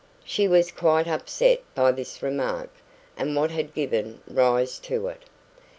She was quite upset by this remark, and what had given rise to it.